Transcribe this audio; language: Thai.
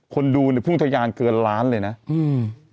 คนดูเนี่ยพุ่งทะยานเกินล้านเลยนะอืม